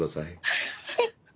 はい。